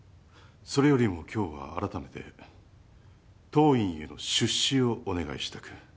それよりも今日は改めて当院への出資をお願いしたく。